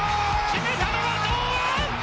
決めたのは堂安！